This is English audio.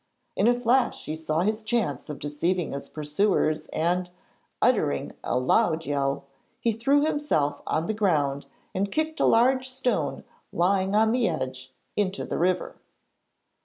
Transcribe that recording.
In a flash he saw his chance of deceiving his pursuers and, uttering a loud yell, he threw himself on the ground and kicked a large stone lying on the edge into the river.